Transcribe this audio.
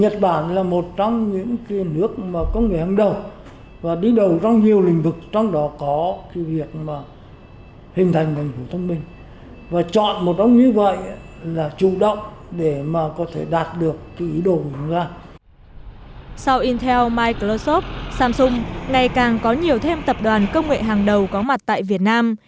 sau intel microsoft samsung ngày càng có nhiều thêm tập đoàn công nghệ hàng đầu có mặt tại việt nam